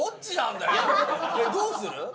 どうする？